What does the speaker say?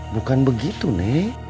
bukan begitu neng